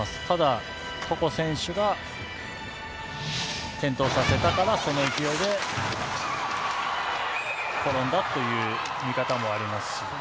ただ、床選手が転倒させたから、その勢いで転んだという見方もありますし。